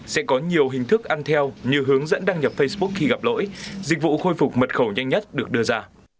sẽ có nhiều hình thức ăn theo như hướng dẫn đăng nhập facebook khi gặp lỗi dịch vụ khôi phục mật khẩu nhanh nhất được đưa ra